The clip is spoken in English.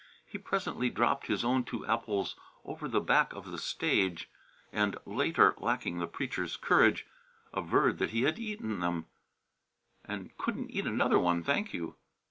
He presently dropped his own two apples over the back of the stage, and later, lacking the preacher's courage, averred that he had eaten them and couldn't eat another one, thank you.